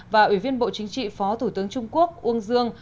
và ủy viên bộ chính trị phó thủ tướng trung quốc uông dương